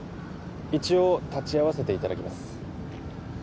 一応立ち会わせていただきます